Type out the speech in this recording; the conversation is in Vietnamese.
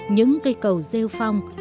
những cây cầu rêu phong